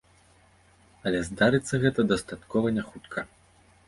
Але здарыцца гэта дастаткова няхутка.